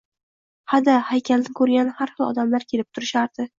Ha-da, haykalni ko‘rgani har xil odamlar kelib turishardi